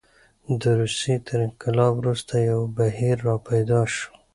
د روسیې تر انقلاب وروسته یو بهیر راپیدا شو.